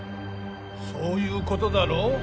そういうことだろう？